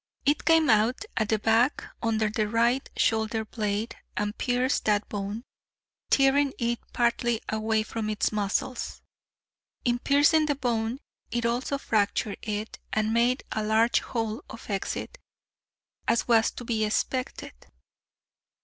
It came out at the back under the right shoulder blade and pierced that bone, tearing it partly away from its muscles. In piercing the bone it also fractured it, and made a large hole of exit, as was to be expected."